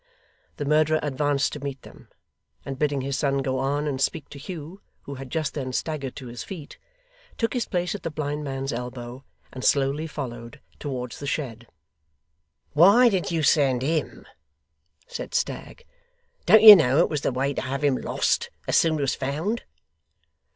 The murderer advanced to meet them, and bidding his son go on and speak to Hugh, who had just then staggered to his feet, took his place at the blind man's elbow, and slowly followed, towards the shed. 'Why did you send HIM?' said Stagg. 'Don't you know it was the way to have him lost, as soon as found?